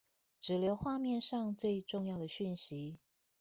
只留畫面上最重要的訊息